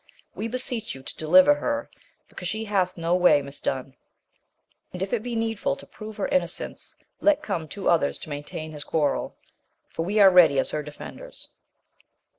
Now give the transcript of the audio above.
We beseech you to deliver her, because she hath no way misdone ; and if it be needful to prove her innocence let come two others to maintain his quarrel, for we are ready as her defenders.